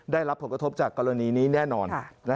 ได้รับผลกระทบจากกรณีนี้แน่นอน